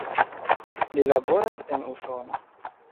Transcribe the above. Li laboras en Usono.